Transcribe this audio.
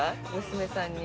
娘さんに。